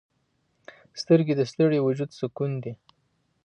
سترګې د ستړي وجود سکون دي